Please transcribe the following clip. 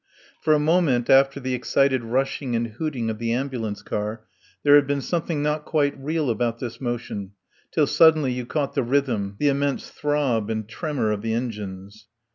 For a moment, after the excited rushing and hooting of the ambulance car, there had been something not quite real about this motion, till suddenly you caught the rhythm, the immense throb and tremor of the engines.